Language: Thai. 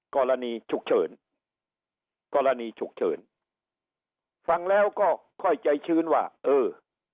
กรณีฉุกเฉินกรณีฉุกเฉินฟังแล้วก็ค่อยใจชื้นว่าเออ